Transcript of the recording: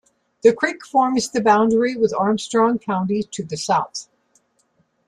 The creek forms the boundary with Armstrong County to the south.